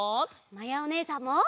まやおねえさんも！